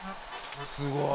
すごい！